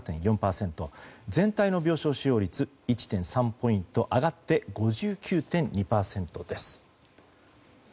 全体の病床使用率１．３ポイント上がって５９．２％です。